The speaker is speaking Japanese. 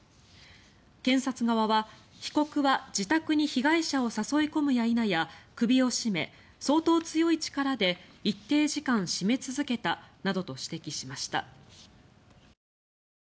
検察側は「被告は自宅に被害者を誘い込むや否や首を絞め、相当強い力で一定時間絞め続けた」などと指摘しました。